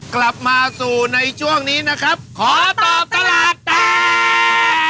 กลับมาสู่ในช่วงนี้นะครับขอตอบตลาดตาม